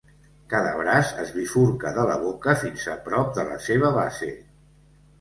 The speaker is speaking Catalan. Cada braç es bifurca de la boca fins a prop de la seva base.